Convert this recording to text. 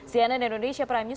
sianan indonesia prime news